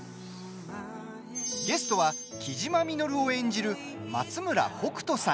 ゲストは雉真稔を演じる松村北斗さん。